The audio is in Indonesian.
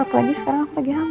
apalagi sekarang aku lagi hamil